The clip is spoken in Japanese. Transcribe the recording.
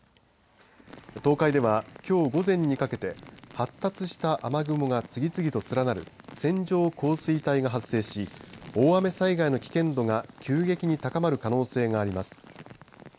東海では、きょう午前にかけて発達した雨雲が次々と連なる線状降水帯が発生し大雨災害の危険度が急激に高まる可能性があります。